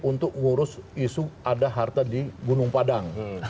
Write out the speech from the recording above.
untuk ngurus isu ada harta di gunung padang